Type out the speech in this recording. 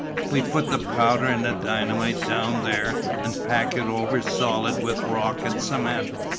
"We put the powder and dynamite down there, and pack it over solid with rock and cement.